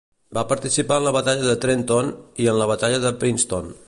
Va participar en la Batalla de Trenton i en la Batalla de Princeton.